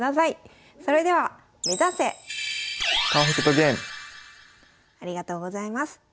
それではありがとうございます。